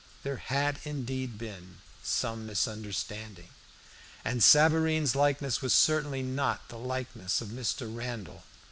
There had indeed been "some misunderstanding," and Savareen's likeness was certainly not the likeness of Mr. Randall.